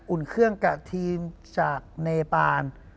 อุ่นเครื่องกับทีมจากเนปาน